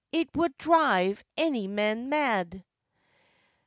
it would drive ony mon mad.